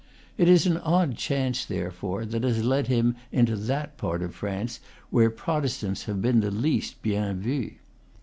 It is an odd chance, therefore, that has led him into that part of France where Protestants have been least bien vus.